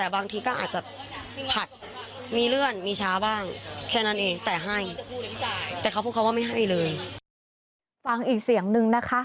ฟังอีกเสียงหนึ่งนะคะ